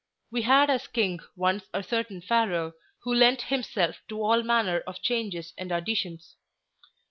We had as king once a certain Pharaoh, who lent himself to all manner of changes and additions.